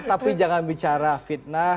tapi jangan bicara fitnah